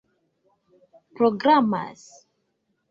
programas